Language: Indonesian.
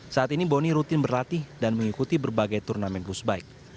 saat ini boni rutin berlatih dan mengikuti berbagai turnamen pushbike